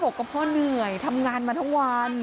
กับพ่อเหนื่อยทำงานมาทั้งวัน